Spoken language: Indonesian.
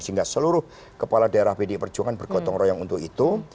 sehingga seluruh kepala daerah bd perjuangan bergotong royong untuk itu